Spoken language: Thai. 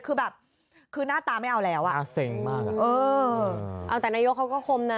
คือแบบหน้าตาไม่เอาแล้วอะเออแต่นายกเขาก็คมนะ